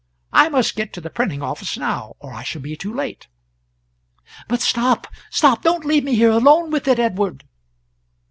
I must get to the printing office now, or I shall be too late." "But stop stop don't leave me here alone with it, Edward!"